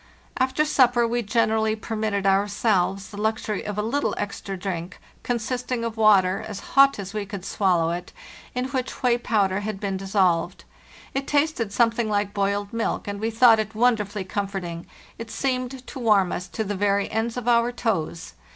After supper we generally permitted ourselves the luxury of a little extra drink, consisting of water, as hot as we could swallow it, in which whey powder had been dissolved. It tasted some thing like boiled milk, and we thought it wonderfully comforting; it seemed to warm us to the very ends of our toes.